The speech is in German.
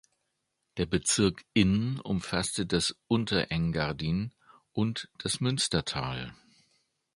Der Bezirk Inn umfasste das Unterengadin und das Münstertal.